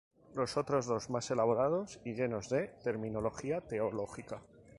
Los otros dos, más elaborados y llenos de terminología teológica.